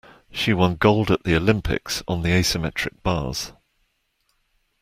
She won gold at the Olympics on the asymmetric bars